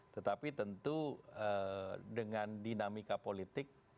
tetapi tentu dengan dinamika politik